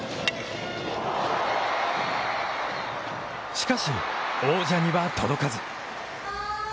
しかし、王者には届かず。